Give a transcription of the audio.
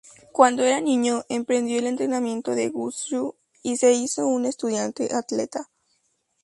Cuando era niño, emprendió el entrenamiento de Wushu y se hizo un estudiante atleta.